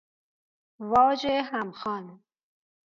واج همخوان